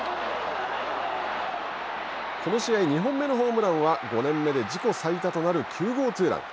この試合２本目のホームランは５年目で自己最多となる９号ツーラン。